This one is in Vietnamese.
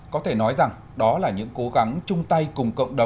có thể nói rằng đó là những cố gắng chung tay cùng cộng đồng